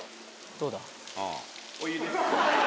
どうだ？